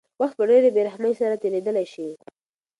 وخت په ډېرې بېرحمۍ سره تېرېدلی شي.